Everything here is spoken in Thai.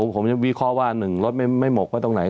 ผมจะวิเคราะห์ว่า๑รถไม่หมกว่าตรงไหน